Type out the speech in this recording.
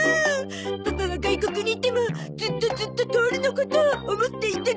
パパは外国に行ってもずっとずっとトオルのことを思っていたゾ。